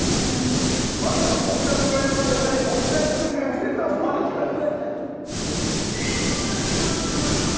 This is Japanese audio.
まさかこんな都会の真ん中でこんなにツクシが見れるとは思わなかったです。